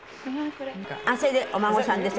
「それでお孫さんです。